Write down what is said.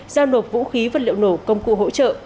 giao nộp vũ khí vật liệu nổ công cụ hỗ trợ